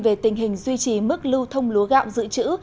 về tình hình duy trì mức lưu thông lúa gạo dự trữ